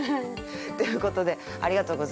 ということでありがとうございました。